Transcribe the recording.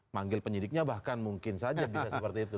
manggil penyidiknya bahkan mungkin saja bisa seperti itu